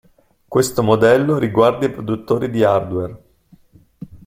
Questo modello riguarda i produttori di hardware.